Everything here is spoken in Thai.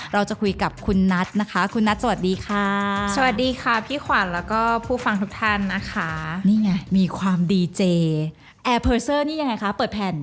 เราจะคุยกับคุณนัทนะคะคุณนัทสวัสดีค่ะสวัสดีค่ะพี่ขวัญแล้วก็ผู้ฟังทุกท่านนะคะนี่ไงมีความดีเจแอร์เพอร์เซอร์นี่ยังไงคะเปิดแผ่น